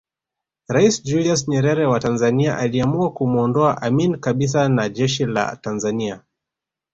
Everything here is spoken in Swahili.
Rais Julius Nyerere wa Tanzania aliamua kumuondoa Amin kabisa na jeshi la Tanzania